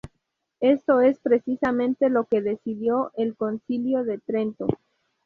Esto es precisamente lo que decidió el Concilio de Trento.